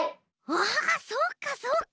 わあそっかそっか！